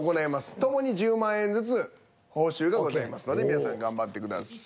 ともに１０万円ずつ報酬がございますので皆さん頑張ってください。